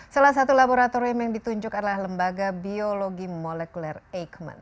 salah satu laboratorium yang ditunjuk adalah lembaga biologi molekuler eijkman